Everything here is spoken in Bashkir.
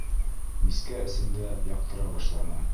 Мискә эсендә яҡтыра башланы.